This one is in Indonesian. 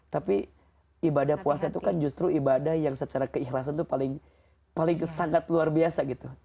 tapi ibadah puasa itu kan justru ibadah yang secara keikhlasan itu paling sangat luar biasa gitu